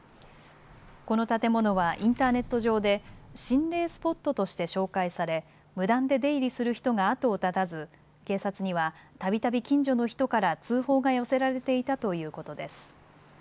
この建物はインターネット上で心霊スポットとして紹介され無断で出入りする人が後を絶たず警察にはたびたび近所の人から通報が寄せられていたということです。